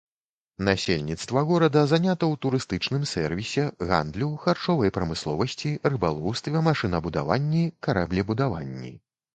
Насельніцтва горада занята ў турыстычным сэрвісе, гандлю, харчовай прамысловасці, рыбалоўстве, машынабудаванні, караблебудаванні.